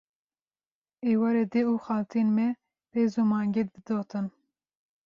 Êvarê dê û xaltiyên me pez û mangê didotin